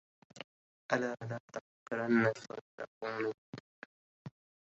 ألا لا تحقرن صغير قوم